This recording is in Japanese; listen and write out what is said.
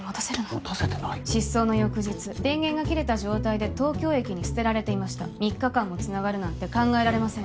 持たせてないよ失踪の翌日電源が切れた状態で東京駅に捨てられていました３日間も繋がるなんて考えられません